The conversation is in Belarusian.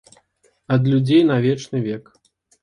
Ад людзей на вечны век.